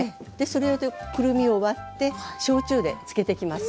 それでくるみを割って焼酎で漬けてきます。